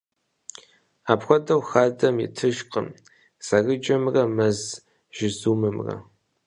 Апхуэдэу, хадэм итыжкъым зэрыджэмрэ мэз жызумымрэ.